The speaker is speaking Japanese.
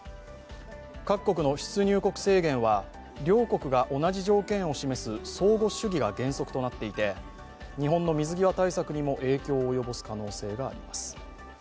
各国の出入国制限は両国が同じ条件を示す相互主義が原則となっていて、日本の水際対策にも影響を及ぼす可能性があります。